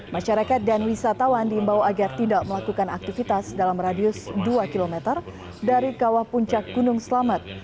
masyarakat dan wisatawan diimbau agar tidak melakukan aktivitas dalam radius dua km dari kawah puncak gunung selamat